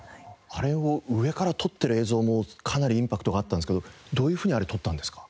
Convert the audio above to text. あれを上から撮ってる映像もかなりインパクトがあったんですけどどういうふうにあれ撮ったんですか？